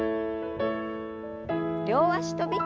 両脚跳び。